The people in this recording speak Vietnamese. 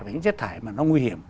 và những chất hại mà nó nguy hiểm